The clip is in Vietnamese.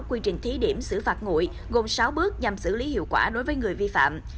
quy trình thí điểm xử phạt ngụy gồm sáu bước nhằm xử lý hiệu quả đối với người vi phạm